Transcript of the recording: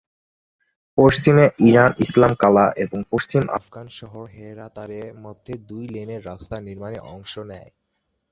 পশ্চিমে, ইরান ইসলাম কালা এবং পশ্চিম আফগান শহর হেরাতের মধ্যে দুই লেনের রাস্তা নির্মাণে অংশ নেয়।